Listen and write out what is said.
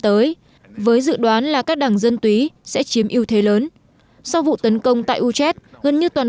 tới với dự đoán là các đảng dân túy sẽ chiếm ưu thế lớn sau vụ tấn công tại ucht gần như toàn